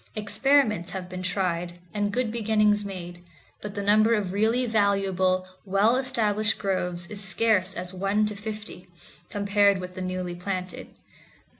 Experiments have been tried, and good beginnings made, but the number of really valuable, well established groves is scarce as one to fifty, compared with the newly planted.